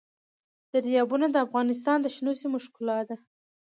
دریابونه د افغانستان د شنو سیمو ښکلا ده.